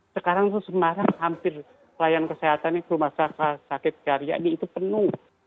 sekarang itu semarang hampir pelayanan kesehatan rumah sakit karyadi itu penuh